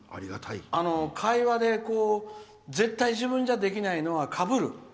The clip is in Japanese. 会話で絶対自分じゃできないのは、かぶる。